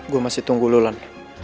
gue masih tunggu ulan